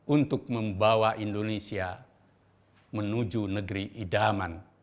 untuk membawa indonesia menuju negeri idaman